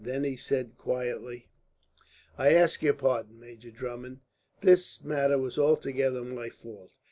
Then he said quietly: "I ask your pardon, Major Drummond. This matter was altogether my fault.